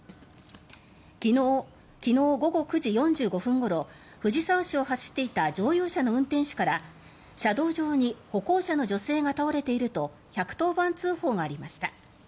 昨日午後９時４５分ごろ藤沢市を走っていた乗用車の運転手から車道上に歩行者の女性が倒れていると１１０番通報がありました。